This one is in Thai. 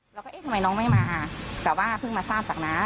เราก็เอ๊ะทำไมน้องไม่มาแต่ว่าเพิ่งมาทราบจากน้า